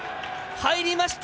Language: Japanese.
入りました。